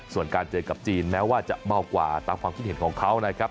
ส่วนการเจอกับจีนแม้ว่าจะเมากว่าตามความคิดเห็นของเขานะครับ